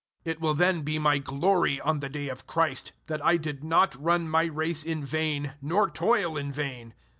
It will then be my glory on the day of Christ that I did not run my race in vain nor toil in vain.